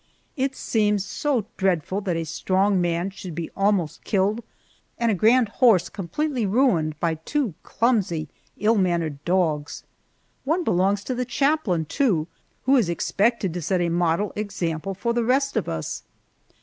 It seems so dreadful that a strong man should be almost killed and a grand horse completely ruined by two clumsy, ill mannered dogs. One belongs to the chaplain, too, who is expected to set a model example for the rest of us.